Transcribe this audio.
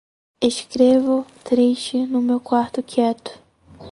Escrevo, triste, no meu quarto quieto